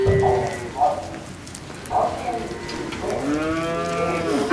জঁুইয়ের কী অবস্থা, কেমন আছে এসব চিন্তা আমার মাথায় ঘুরপাক খাচ্ছিল।